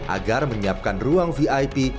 agar menyiapkan ruang vip